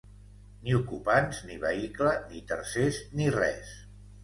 Ni ocupants ni vehicle ni tercers ni res.